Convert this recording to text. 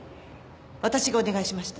私がお願いしました。